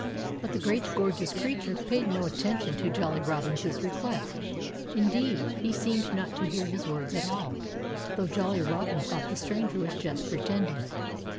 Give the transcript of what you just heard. But the great, gorgeous creature paid no attention to Jolly Robin's request. Indeed, he seemed not to hear his words at all though Jolly Robin thought the stranger was just pretending.